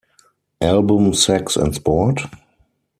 Album Sex and Sport?